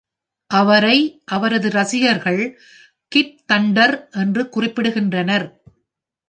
அவரை அவரது ரசிகர்கள் "கிட் தண்டர்" என்று குறிப்பிடுகின்றனர்.